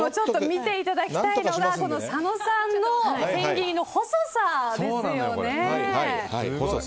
見ていただきたいのが佐野さんの千切りの細さですよね。